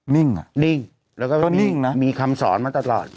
นิ่งอ่ะนิ่งแล้วก็นิ่งนะมีคำสอนมาตลอด